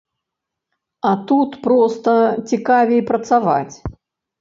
А тут проста цікавей працаваць.